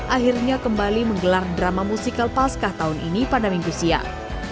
akhirnya kembali menggelar drama musikal pascah tahun ini pada minggu siang